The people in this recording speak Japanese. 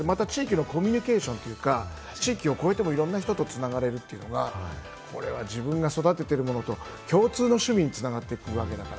また地域のコミュニケーションというか、地域を越えても、いろんな人とつながれるというのが自分が育てているものと共通の趣味に繋がってくるわけですから。